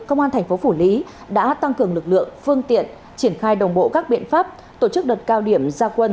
công an thành phố phủ lý đã tăng cường lực lượng phương tiện triển khai đồng bộ các biện pháp tổ chức đợt cao điểm gia quân